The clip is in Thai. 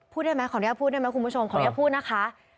ได้ไหมขออนุญาตพูดได้ไหมคุณผู้ชมขออนุญาตพูดนะคะ